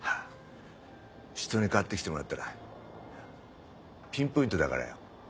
人に買ってきてもらったらピンポイントだからよ。